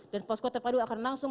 dan pos keterpadu akan langsung